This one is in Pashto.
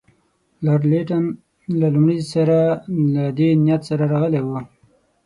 لارډ لیټن له لومړي سره له دې نیت سره راغلی وو.